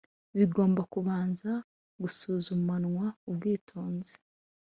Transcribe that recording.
bigomba kubanza gusuzumanwa ubwitonzi